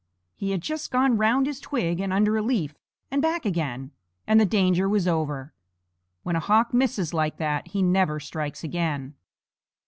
He had just gone round his twig, and under a leaf, and back again; and the danger was over. When a hawk misses like that he never strikes again.